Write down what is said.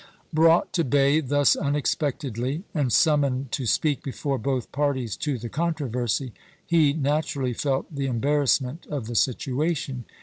Brought to bay thus unexpectedly, and summoned to speak before both parties to the controversy, he naturally felt the embarrassment of the situation.